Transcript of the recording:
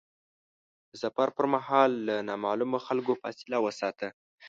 د سفر پر مهال له نامعلومو خلکو فاصله وساته.